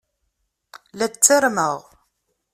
La ttarmeɣ.